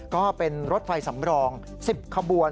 ก็เป็นรถไฟสำรอง๑๐ขบวน